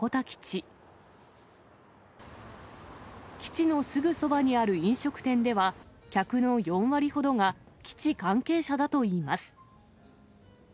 基地のすぐそばにある飲食店では、客の４割ほどが基地関係者だといいます。